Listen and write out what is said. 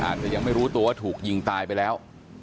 อาจจะยังไม่รู้ตัวถูกยิงตายไปแล้ว